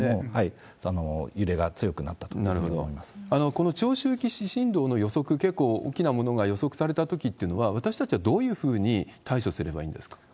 この長周期地震動の予測、結構大きなものが予測されたときっていうのは、私たちはどういうふうに対処すればいいんですか？